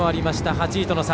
８位との差。